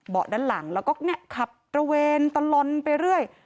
เบาะด้านหลังแล้วก็เนี่ยขับตระเวนตลลไปเรื่อย